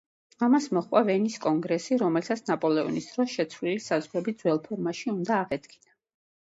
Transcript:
ამას მოჰყვა ვენის კონგრესი, რომელსაც ნაპოლეონის დროს შეცვლილი საზღვრები ძველ ფორმაში უნდა აღედგინა.